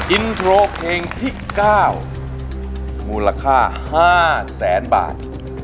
อินโทรเพลงที่๙มูลค่า๕แสนบาท